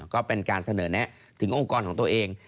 ก็เป็นการเสนอแนะถึงองค์กรของตัวเอง